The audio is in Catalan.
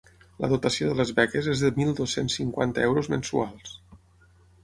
La dotació de les beques és de mil dos-cents cinquanta euros mensuals.